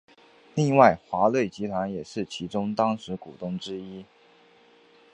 另外华润集团也是其中当时股东之一。